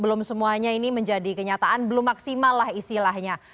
belum semuanya ini menjadi kenyataan belum maksimal lah istilahnya